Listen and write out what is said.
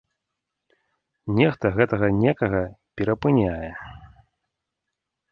Нехта гэтага некага перапыняе.